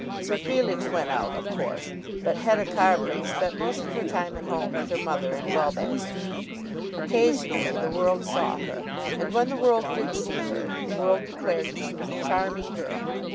Sir Felix went out of course, but Hetta Carbury spent most of her time at home with her mother in Welbeck Street. Occasionally the world saw her, and when the world did see her the world declared that she was a charming girl.